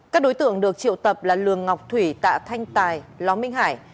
các đối tượng được triệu tập là lường ngọc thủy tạ thanh tài ló minh hải